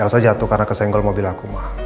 elsa jatuh karena kesenggol mobil aku ma